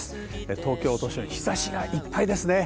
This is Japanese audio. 東京都心は日差しがいっぱいです。